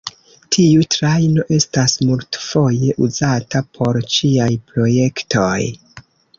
Tiu trajno estas multfoje uzata por ĉiaj projektoj.